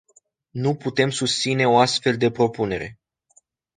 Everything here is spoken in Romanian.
Nu putem susține o astfel de propunere.